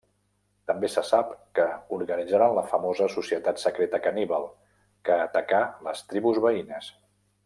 També se sap que organitzaren la famosa Societat Secreta Caníbal que atacà les tribus veïnes.